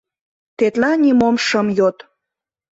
Тетла нимом шым йод.